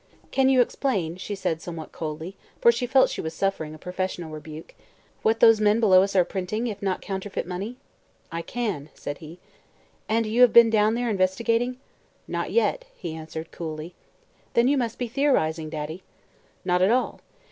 "Can you explain," she said somewhat coldly, for she felt she was suffering a professional rebuke, "what those men below us are printing, if not counterfeit money?" "I can," said he. "And you have been down there, investigating?" "Not yet," he answered coolly. "Then you must be theorizing, Daddy." "Not at all.